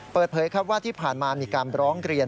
เปิดเผยครับว่าที่ผ่านมามีการร้องเรียน